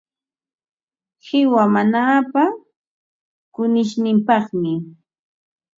Qiwa mamaapa kunishninpaqmi.